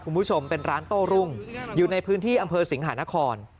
คุณผู้ชมเป็นร้านโต้รุ่งอยู่ในพื้นที่อำเภอสิงหานคร